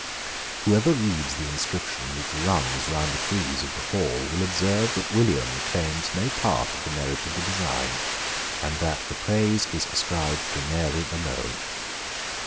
Whoever reads the inscription which runs round the frieze of the hall will observe that William claims no part of the merit of the design, and that the praise is ascribed to Mary alone.